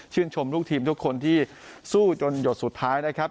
ชมลูกทีมทุกคนที่สู้จนหยดสุดท้ายนะครับ